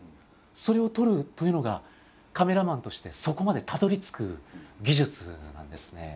それを撮るというのがカメラマンとしてそこまでたどりつく技術なんですね。